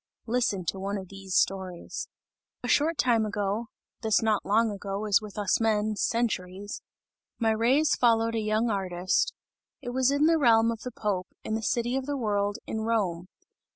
Listen to one of these stories! A short time ago (this not long ago is with us men centuries) my rays followed a young artist; it was in the realm of the Pope, in the city of the world, in Rome.